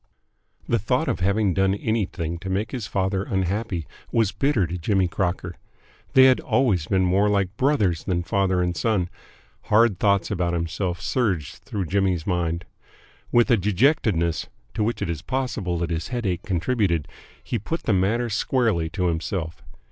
The thought of having done anything to make his father unhappy was bitter to Jimmy Crocker. They had always been more like brothers than father and son. Hard thoughts about himself surged through Jimmy's mind. With a dejectedness to which it is possible that his headache contributed he put the matter squarely to himself.